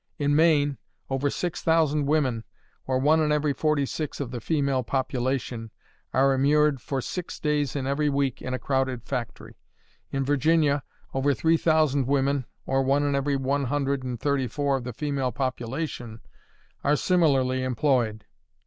In Maine, over six thousand women, or one in every forty six of the female population, are immured for six days in every week in a crowded factory; in Virginia, over three thousand women, or one in every one hundred and thirty four of the female population, are similarly employed.